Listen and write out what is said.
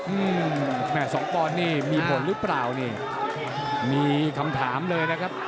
อืมแม่สองปอนด์นี่มีผลหรือเปล่านี่มีคำถามเลยนะครับ